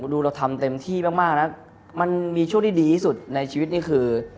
ดูเราทำเต็มที่มากแล้วมันมีช่วงที่ดีที่สุดในชีวิตนี่คือ